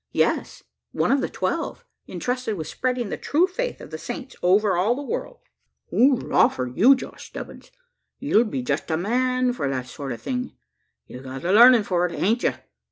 Yes, one of the Twelve, intrusted with spreading the true faith of the Saints over all the world." "Hooraw for you, Josh Stebbins! You'll be jest the man for that sort o' thing; ye've got the larnin' for it, hain't you?"